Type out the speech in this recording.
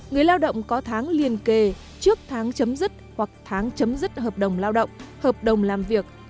người lao động có tháng liên kề trước tháng chấm dứt hoặc tháng chấm dứt hợp đồng lao động hợp đồng làm việc